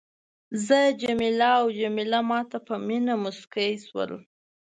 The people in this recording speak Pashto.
زه جميله او جميله ما ته په مینه مسکي شول.